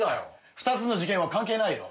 ２つの事件は関係ないよ。